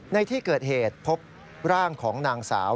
ในที่เกิดเหตุพบร่างของนางสาว